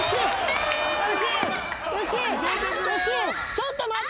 ちょっと待って。